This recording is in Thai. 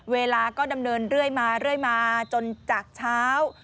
เวลาก็ดำเนินเรื่อยมาจนจากเช้า